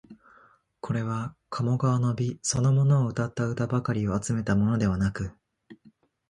これは鴨川の美そのものをうたった歌ばかりを集めたものではなく、